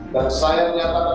dan saya menyatakan siap